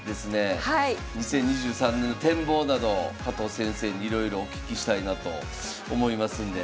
２０２３年の展望など加藤先生にいろいろお聞きしたいなと思いますんで。